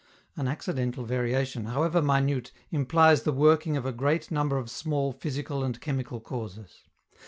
An accidental variation, however minute, implies the working of a great number of small physical and chemical causes.